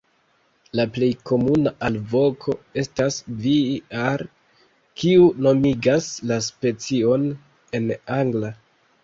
La plej komuna alvoko estas "vii-ar", kiu nomigas la specion en angla.